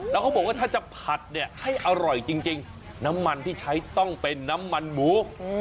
แล้วเขาบอกว่าถ้าจะผัดเนี่ยให้อร่อยจริงน้ำมันที่ใช้ต้องเป็นน้ำมันหมู